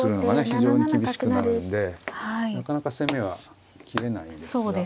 非常に厳しくなるんでなかなか攻めは切れないんですが。